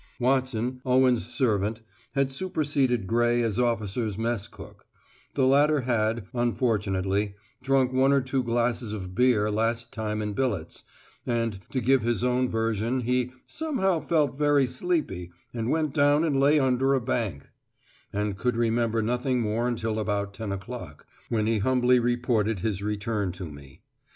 Watson, Owen's servant, had superseded Gray as officers' mess cook; the latter had, unfortunately, drunk one or two glasses of beer last time in billets, and, to give his own version, he "somehow felt very sleepy, and went down and lay under a bank," and could remember nothing more until about ten o'clock, when he humbly reported his return to me.